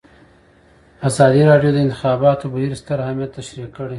ازادي راډیو د د انتخاباتو بهیر ستر اهميت تشریح کړی.